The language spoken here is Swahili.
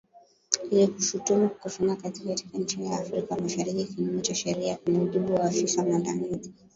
Likilishutumu kwa kufanya kazi katika nchi hiyo ya Afrika Mashariki kinyume cha sheria, kwa mujibu wa afisa mwandamizi.